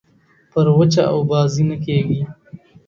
پر وچه اوبازي نه کېږي.